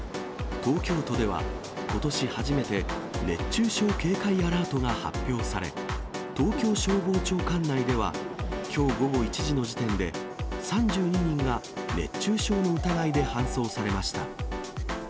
東京都では、ことし初めて熱中症警戒アラートが発表され、東京消防庁管内では、きょう午後１時の時点で、３２人が熱中症の疑いで搬送されました。